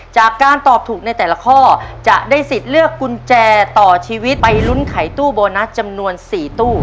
จากการตอบถูกในแต่ละข้อจะได้สิทธิ์เลือกกุญแจต่อชีวิตไปลุ้นไขตู้โบนัสจำนวน๔ตู้